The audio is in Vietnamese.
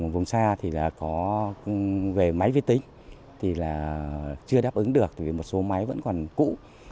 vùng xa thì là có về máy vi tính thì là chưa đáp ứng được thì một số máy vẫn còn cũ